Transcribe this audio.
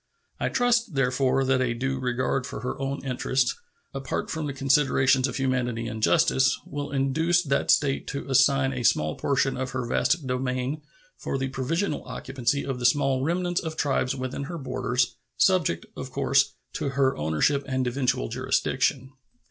I trust, therefore, that a due regard for her own interests, apart from considerations of humanity and justice, will induce that State to assign a small portion of her vast domain for the provisional occupancy of the small remnants of tribes within her borders, subject, of course, to her ownership and eventual jurisdiction.